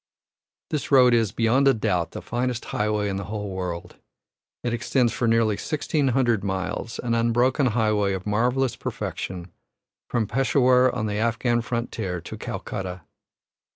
This road is, beyond a doubt, the finest highway in the whole world. It extends for nearly sixteen hundred miles, an unbroken highway of marvellous perfection, from Peshawur on the Afghan frontier to Calcutta.